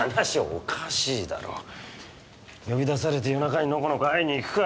おかしいだろ呼び出されて夜中にノコノコ会いにいくか？